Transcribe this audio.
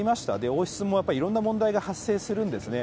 王室もいろんな問題が発生するんですね。